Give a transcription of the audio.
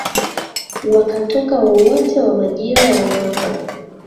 wakatoka wowote wa majira ya mwaka